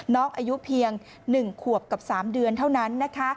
น้องอายุเพียง๑ขวบกับ๓เดือนเท่านั้นนะคะ